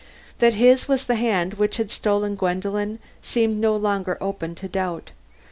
That his was the hand which had stolen Gwendolen seemed no longer open to doubt.